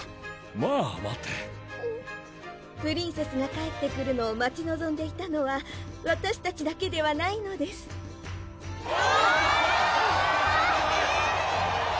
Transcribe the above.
まぁ待てプリンセスが帰ってくるのを待ちのぞんでいたのはわたしたちだけではないのですわぁ！